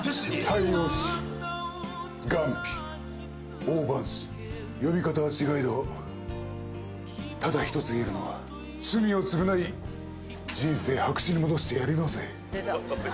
大洋紙ガンピオオバンシ呼び方は違えどただひとつ言えるのは罪を償い人生白紙に戻してやり直せ。